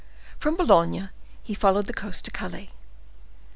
From Boulogne he followed the coast to Calais.